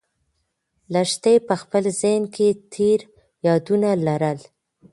لښتې په خپل ذهن کې تېر یادونه لرل.